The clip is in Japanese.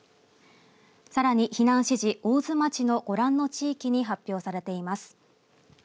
さらに避難指示、大津町のご覧の地域に発表されています。